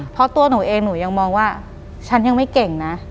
เพราะตัวหนูเองหนูยังมองว่าฉันยังไม่เก่งนะ